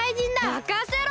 まかせろ！